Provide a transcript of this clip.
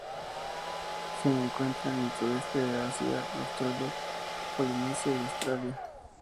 Se encuentra en el Sudeste de Asia, Australia, Polinesia y Australia.